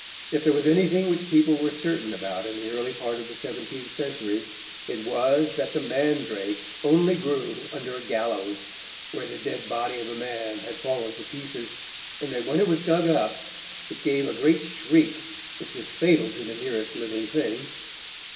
If there was anything which people were certain about in the early part of the seventeenth century, it was that the mandrake only grew under a gallows, where the dead body of a man had fallen to pieces, and that when it was dug up it gave a great shriek, which was fatal to the nearest living thing.